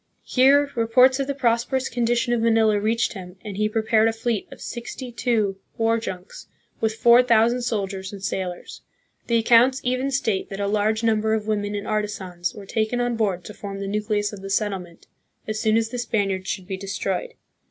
Here, reports of the prosperous condition of Manila reached him, and he prepared a fleet of sixty two war junks, with four thousand soldiers and sailors. The ac counts even state that a large number of women and artisans were taken on board to form the nucleus of the settlement, as soon as the Spaniards should be destroyed.